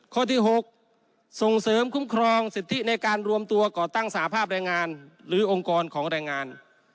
ข้อที่๖ส่งเสริมคุ้มครองสิทธิในการรวมตัวก่อตั้งสาภาพแรงงานหรือองค์กรของแรงงาน